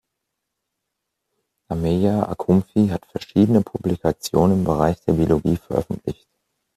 Ameyaw-Akumfi hat verschiedene Publikationen im Bereich der Biologie veröffentlicht.